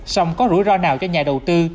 xong có rủi ro nào cho nhà đầu tư